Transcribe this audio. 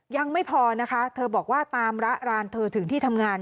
ยังไม่พอนะคะเธอบอกว่าตามระรานเธอถึงที่ทำงาน